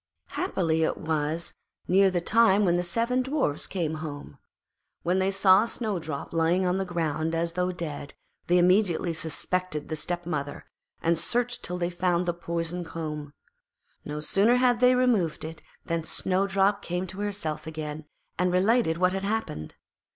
Happily it was near the time when the seven Dwarfs came home. When they saw Snowdrop lying on the ground as though dead, they immediately suspected her stepmother, and searched till they found the poisoned comb. No sooner had they removed it than Snowdrop came to herself again and related what had happened.